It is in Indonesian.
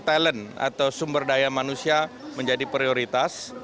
talent atau sumber daya manusia menjadi prioritas